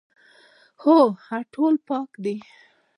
هو، ټول پاک دي